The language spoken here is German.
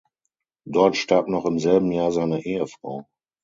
Dort starb noch im selben Jahr seine Ehefrau.